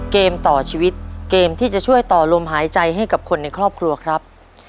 เกมต่อชีวิตเกมที่จะช่วยต่อลมหายใจให้กับคนในครอบครัวครับ